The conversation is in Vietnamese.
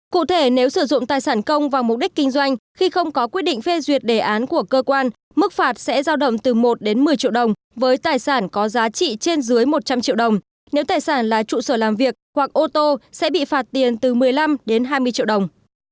cụ thể nếu sử dụng tài sản công vào mục đích kinh doanh khi không có quyết định phê duyệt đề án của cơ quan mức phạt sẽ giao động từ một đến một mươi triệu đồng với tài sản có giá trị trên dưới một trăm linh triệu đồng nếu tài sản là trụ sở làm việc hoặc ô tô sẽ bị phạt tiền từ một mươi năm đến hai mươi triệu đồng